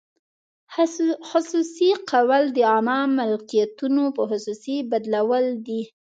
خصوصي کول د عامه ملکیتونو په خصوصي بدلول دي.